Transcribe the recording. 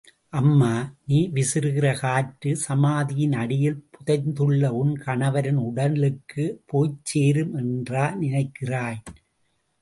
அம்மா, நீ விசிறுகிற காற்று சமாதியின் அடியில் புதைந்துள்ள உன் கணவரின் உடலுக்குப் போய்ச் சேரும் என்றா நினைக்கிறாய்?